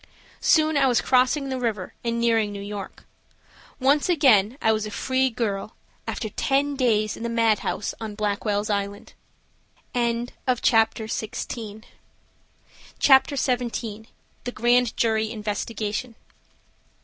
Soon I was crossing the river and nearing New York. Once again I was a free girl after ten days in the mad house on Blackwell's Island. CHAPTER XVII. THE GRAND JURY INVESTIGATION.